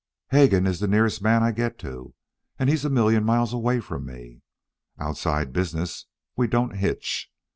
Hegan is the nearest man I get to, and he's a million miles away from me. Outside business, we don't hitch.